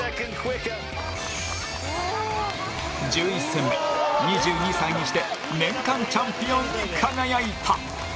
１１戦目、２２歳にして年間チャンピオンに輝いた。